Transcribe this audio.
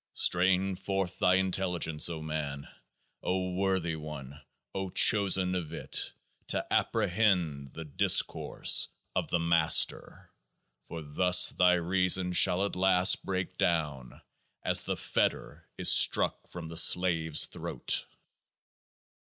Strain forth thine Intelligence, O man, O worthy one, O chosen of IT, to apprehend the discourse of THE MASTER ; for thus thy reason shall at last break down, as the fetter is struck from a slave's throat.